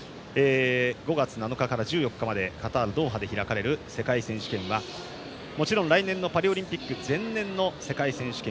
５月７日から１４日までカタール・ドーハで開かれる世界選手権はもちろん来年のパリオリンピック前年の世界選手権